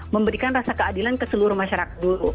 memberikan rasa keadilan ke seluruh masyarakat dulu